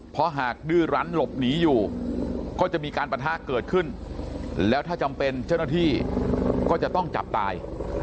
เพราะหากดื้อรั้นหลบหนีอยู่ก็จะมีการปะทะเกิดขึ้นแล้วถ้าจำเป็นเจ้าหน้าที่ก็จะต้องจับตาย